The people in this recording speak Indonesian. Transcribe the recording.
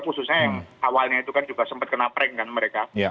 khususnya yang awalnya itu kan juga sempat kena prank kan mereka